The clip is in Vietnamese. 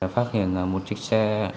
phát hiện một chiếc xe